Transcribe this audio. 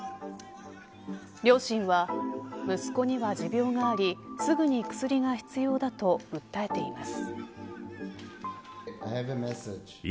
両親は息子には持病がありすぐに薬が必要だと訴えています。